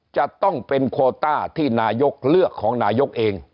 จะต้องเป็นโคต้าที่นายกเลือกของนายกเอง